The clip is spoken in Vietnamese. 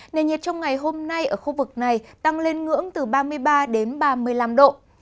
nền nhiệt trong ngày hôm nay ở khu vực này tăng lên ngưỡng từ ba mươi ba đến ba mươi năm độ